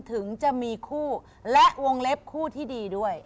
ถึงจะมีคู่และวงเล็บคู่ที่ดีด้วย